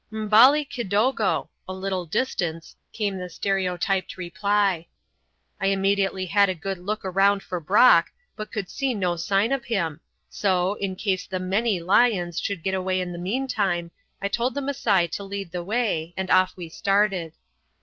"M'bali kidogo" ("A little distance"), came the stereotyped reply. I immediately had a good look round for Brock, but could see no sign of him, so, in case the "many" lions should get away in the meantime, I told the Masai to lead the way, and off we started.